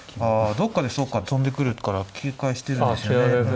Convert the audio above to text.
あどっかでそうか飛んでくるから警戒してるんですよね。